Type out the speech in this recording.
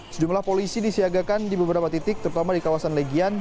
sejumlah polisi disiagakan di beberapa titik terutama di kawasan legian